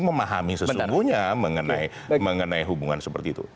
memahami sesungguhnya mengenai hubungan seperti itu